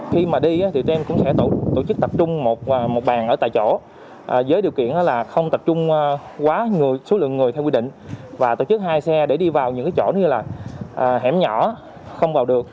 khi mà đi thì tụi em cũng sẽ tổ chức tập trung một bàn ở tại chỗ với điều kiện là không tập trung quá số lượng người theo quy định và tổ chức hai xe để đi vào những chỗ như là hẻm nhỏ không vào được